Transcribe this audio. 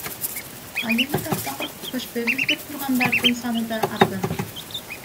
Ал эми таптакыр көчпөйбүз деп тургандардын саны да арбын.